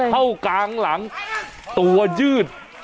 เข้ากลางหลังตัวยืด